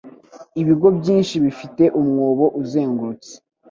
Ibigo byinshi bifite umwobo uzengurutse.